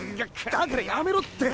だからやめろって。